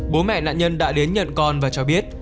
bố mẹ nạn nhân đã đến nhận con và cho biết